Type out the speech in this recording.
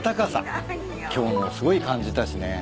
今日もすごい感じたしね。